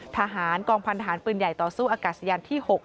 ทหารกองพันธหารปืนใหญ่ต่อสู้อากาศยานที่๖